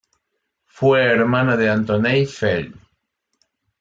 Fue hermana de Antoine Fel.